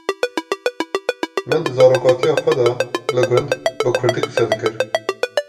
Min di zaroktiya xwe de li gund bi Kurdî qise dikir.